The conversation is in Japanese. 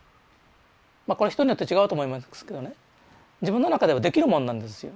これ人によって違うと思いますけどね自分の中ではできるもんなんですよ